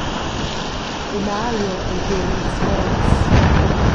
Emalio enquera ils morts.